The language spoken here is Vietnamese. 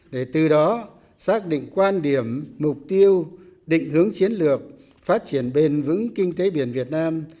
để từ đó xác định quan điểm mục tiêu định hướng chiến lược phát triển bền vững kinh tế biển việt nam